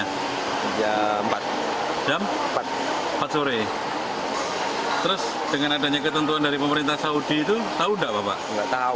sore terus dengan adanya ketentuan dari pemerintah saudi itu tahu enggak bapak dengan ketentuan dari pemerintah saudi itu tahu enggak bapak kita bisa berangkat segera